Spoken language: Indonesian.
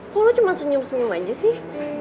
kalau lo cuma senyum senyum aja sih